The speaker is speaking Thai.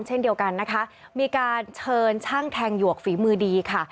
เช่นเดียวกันนะคะมีการเชิญช่างแทงหยวกฝีมือดีค่ะ